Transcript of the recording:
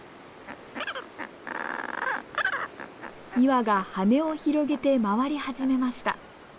２羽が羽を広げて回り始めました。